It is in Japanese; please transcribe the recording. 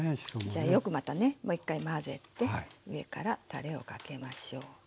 じゃあよくまたねもう一回混ぜて上からたれをかけましょう。